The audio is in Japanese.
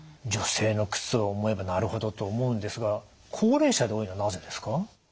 女性の靴を思えばなるほどと思うんですが高齢者で多いのはなぜですか？